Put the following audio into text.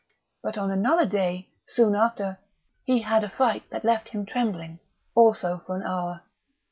But on another day, soon after, he had a fright that left him trembling also for an hour.